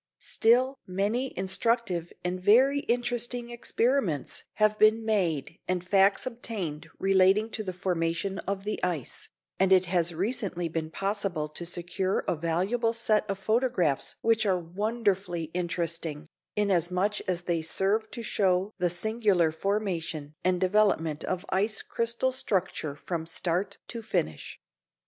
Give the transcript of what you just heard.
Still many instructive and very interesting experiments have been made and facts obtained relating to the formation of the ice, and it has recently been possible to secure a valuable set of photographs which are wonderfully interesting, inasmuch as they serve to show the singular formation and development of ice crystal structure from start to finish.